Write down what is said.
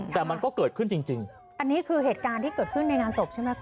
แต่มันก็เกิดขึ้นจริงจริงอันนี้คือเหตุการณ์ที่เกิดขึ้นในงานศพใช่ไหมคุณ